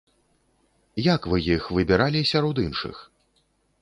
Як вы іх выбіралі сярод іншых?